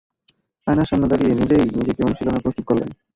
আয়নার সামনে দাঁড়িয়ে নিজেই নিজেকে অনুশীলনে প্রস্তুত করলেন।